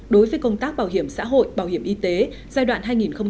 đối với công tác bảo hiểm xã hội bảo hiểm y tế giai đoạn hai nghìn một mươi sáu hai nghìn hai mươi